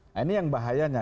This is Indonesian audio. nah ini yang bahayanya